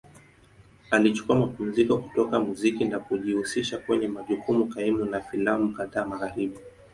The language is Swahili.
Alichukua mapumziko kutoka muziki na kujihusisha kwenye majukumu kaimu na filamu kadhaa Magharibi.